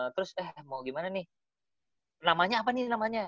terus eh mau gimana nih namanya apa nih namanya